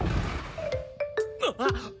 あっ！